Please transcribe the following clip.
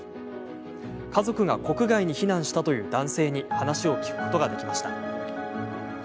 家族が国外に避難したという男性に話を聞くことができました。